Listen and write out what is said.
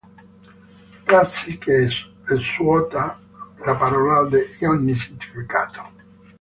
Prassi che svuota la parola di ogni significato.